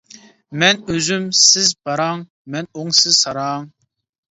مەن ئۈزۈم سىز باراڭ، مەن ئوڭ سىز ساراڭ.